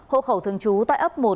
hộ khẩu thường trú tại ấp một